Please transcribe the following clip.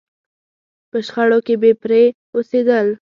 په شخړو کې بې پرې اوسېدل.